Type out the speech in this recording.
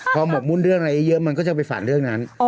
พอหมกมุ่นเรื่องอะไรเยอะมันก็จะไปฝันเรื่องนั้น